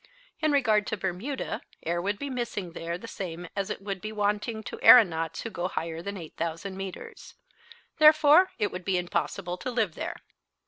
In regard to Bermuda, air would be missing there the same as it would be wanting to aeronauts who go higher than 8,000 metres. Therefore, it would be impossible to live there.